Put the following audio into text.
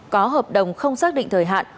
có hợp đồng không xác định thời hạn